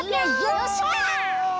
よっしゃ！